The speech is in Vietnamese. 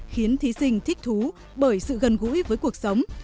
khiến thí sinh thích thú bởi sự gần gũi với cuộc sống